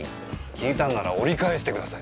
聞いたなら折り返してください。